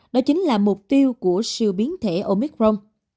đó chính là mục tiêu của siêu biến thể omicron